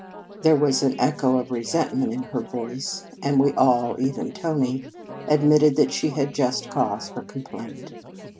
" There was an echo of resentment in her voice, and we all even Tony admitted that she had just cause for complaint.